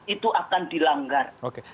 itu akan dilanggar